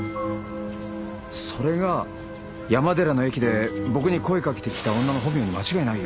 それが山寺の駅で僕に声かけてきた女の本名に間違いないよ。